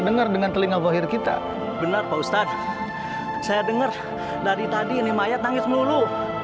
dengar dengan telinga bohir kita benar pak ustadz saya dengar dari tadi ini mayat tangis melulu